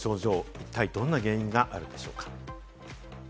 一体、どんな原因があるのでしょうか？